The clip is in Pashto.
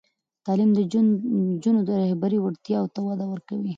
تعلیم د نجونو د رهبري وړتیاوو ته وده ورکوي.